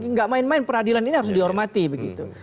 nggak main main peradilan ini harus dihormati begitu